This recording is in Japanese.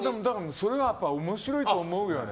それは面白いと思うよね。